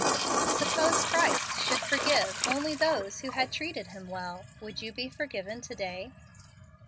Suppose Christ should forgive only those who had treated him well; would you be forgiven to day